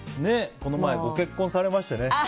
この前、ご結婚されましてね。